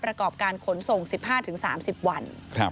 ประกอบการขนส่ง๑๕๓๐วัน